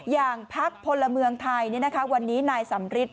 อย่างพักพลเมืองไทยวันนี้นายสำริท